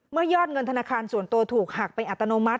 ยอดเงินธนาคารส่วนตัวถูกหักไปอัตโนมัติ